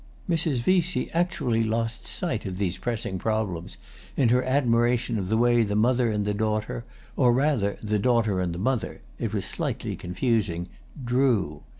Mrs. Vesey actually lost sight of these pressing problems in her admiration of the way the mother and the daughter, or rather the daughter and the mother (it was slightly confusing) "drew."